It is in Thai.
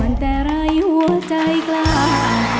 ปอนแต่ไร้หัวใจกลาง